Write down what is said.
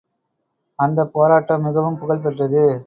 அந்தப் போராட்டம் மிகவும் புகழ் பெற்றது.